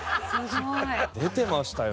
出てましたよ